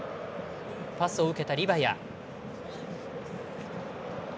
パスを受けたリバヤ。